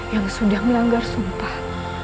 yang sudah melanggar sumpah